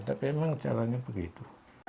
tapi memang caranya begitu